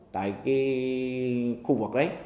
tại khu vực đấy